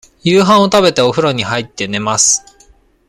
夕飯を食べて、おふろに入って、寝ます。